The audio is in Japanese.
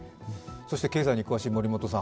経済に詳しい森本さん